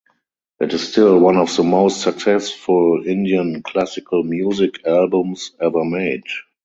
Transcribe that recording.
It is still one of the most successful Indian classical music albums ever made.